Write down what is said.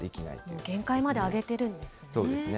もう限界まで上げているんですね。